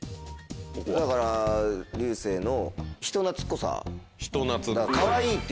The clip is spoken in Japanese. だから流星の人懐っこさ。